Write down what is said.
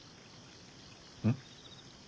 うん？